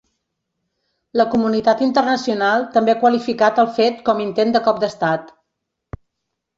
La comunitat internacional també ha qualificat el fet com intent de cop d'estat.